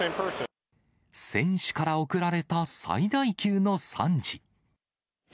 選手から送られた最大級の賛辞。